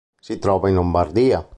Si trova in Lombardia.